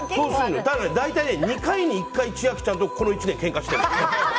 大体、２回に１回千秋ちゃんとこの１年けんかしてる。